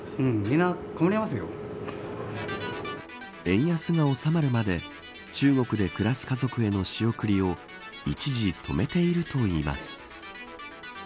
円安が収まるまで中国で暮らす家族への仕送りを一時、止めているといいます。